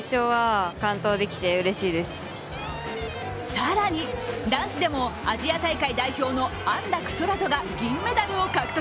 更に男子でもアジア大会代表の安楽宙斗が銀メダルを獲得。